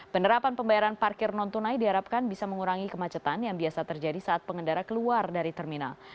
penerapan pembayaran parkir non tunai diharapkan bisa mengurangi kemacetan yang biasa terjadi saat pengendara keluar dari terminal